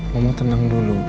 mama tenang dulu